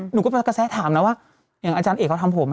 หนูก็ไปกระแสถามนะว่าอย่างอาจารย์เอกเขาทำผม